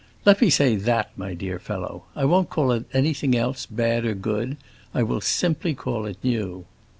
Let me say that, my dear fellow; I won't call it anything else, bad or good; I will simply call it new."